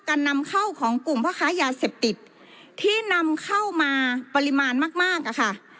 การนำเข้าของกลุ่มพ่อค้ายาเสพติดที่นำเข้ามาปริมาณมากมากอะค่ะ